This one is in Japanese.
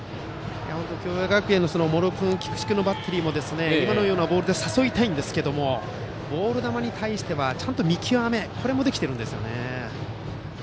共栄学園の茂呂君、菊池君バッテリーも今のようなボールで誘いたいですがボール球に対しては、ちゃんと見極めもできているんですよね。